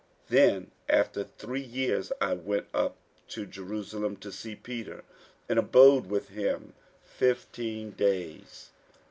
48:001:018 Then after three years I went up to Jerusalem to see Peter, and abode with him fifteen days.